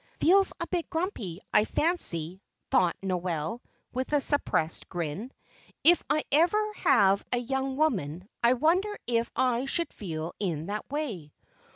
"Feels a bit grumpy, I fancy," thought Noel, with a suppressed grin. "If I ever have a young woman, I wonder if I should feel in that way.